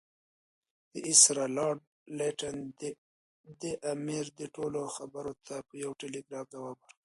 وایسرا لارډ لیټن د امیر دې ټولو خبرو ته په یو ټلګراف ځواب ورکړ.